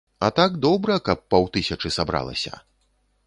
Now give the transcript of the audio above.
А так добра, каб паўтысячы сабралася.